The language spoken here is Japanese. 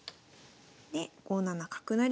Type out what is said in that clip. で５七角成。